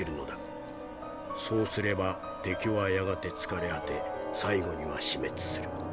そうすれば敵はやがて疲れ果て最後には死滅する。